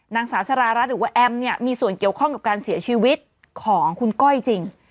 นางสาวสารารัฐหรือว่าแอมเนี่ยมีส่วนเกี่ยวข้องกับการเสียชีวิตของคุณก้อยจริง